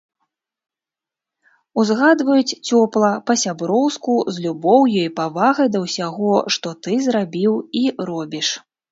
Узгадваюць цёпла, па-сяброўску, з любоўю і павагай да ўсяго, што ты зрабіў і робіш.